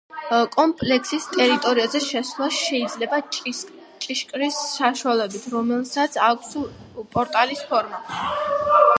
კომპლექსის ტერიტორიაზე შესვლა შეიძლება ჭიშკრის საშუალებით, რომელსაც აქვს პორტალის ფორმა.